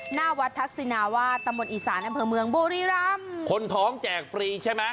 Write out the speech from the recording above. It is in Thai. หน้าวัดทัศนาวาตมนต์อีสานับเผลอเมืองบูริรัมคนท้องแจกฟรีใช่ไหม